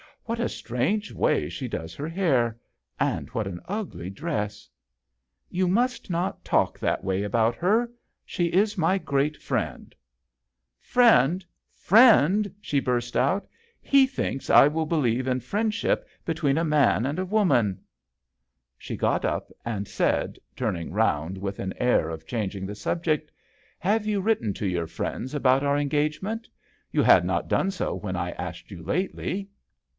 " What a strange way she does her hair ; and what an ugly dress !"" You must not talk that way about her she is my great friend." " Friend ! friend !" she burst out. " He thinks I will believe in friendship between a man and a woman." JOHN SHERMAN. 8 1 She got up, and said, turning round with an air of changing the subject, " Have you written to your friends about our engage ment ? You had not done so when I asked you lately."